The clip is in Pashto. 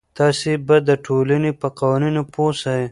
تاسې به د ټولنې په قوانینو پوه سئ.